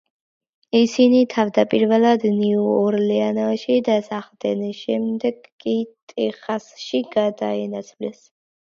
ისინი თავდაპირველად ნიუ-ორლეანში დასახლდნენ, შემდეგ კი ტეხასში გადაინაცვლეს.